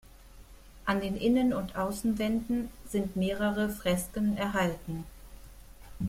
An den Innen- und Außenwände sind mehrere Fresken erhalten.